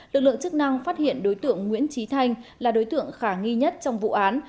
lực lượng chức năng phát hiện đối tượng nguyễn trí thanh là đối tượng khả nghi nhất trong vụ án